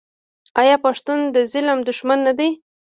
آیا پښتون د ظالم دښمن نه دی؟